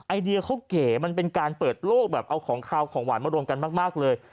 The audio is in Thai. ไอเดียเขาเก๋มันเป็นการเปิดโลกแบบเอาของขาวของหวานมารวมกันมากเลย